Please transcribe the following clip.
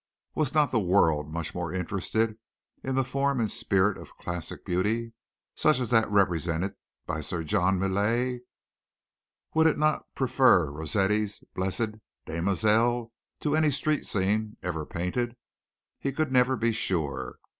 Was not the world much more interested in the form and spirit of classic beauty such as that represented by Sir John Millais? Would it not prefer Rossetti's "Blessed Damozel" to any street scene ever painted? He could never be sure.